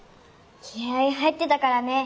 気合い入ってたからね。